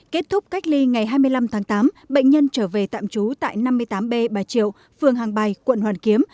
kết thúc cách ly ngày hai mươi năm tháng tám bệnh nhân trở về tạm trú tại năm mươi tám b bà triệu phường hàng bài quận hoàn kiếm